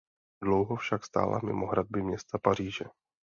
Dlouho však stála mimo hradby města Paříže.